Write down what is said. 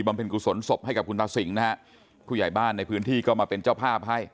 บำเพ็ญกุศลสบให้กับคุณธาสิงนะฮะ